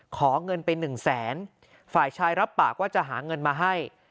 ขอเงินไปหนึ่งแสนฝ่ายชายรับปากว่าจะหาเงินมาให้